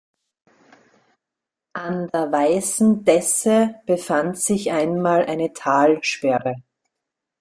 An der Weißen Desse befand sich einmal eine Talsperre.